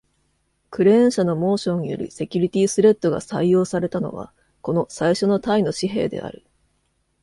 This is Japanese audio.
クレーン社のモーションによるセキュリティスレッドが採用されたのは、この最初のタイの紙幣である。